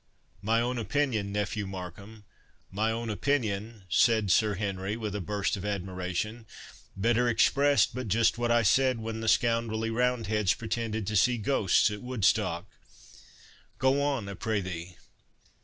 '" "My own opinion, nephew Markham, my own opinion," said Sir Henry, with a burst of admiration; "better expressed, but just what I said when the scoundrelly roundheads pretended to see ghosts at Woodstock—Go on, I prithee."